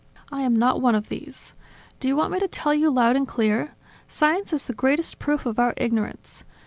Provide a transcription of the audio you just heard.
I am not one of these. Do you want me to tell you loud and clear? Science is the greatest proof of our ignorance.